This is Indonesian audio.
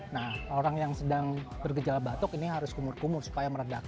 nah orang yang sedang bergejala batuk ini harus kumur kumur supaya meredakan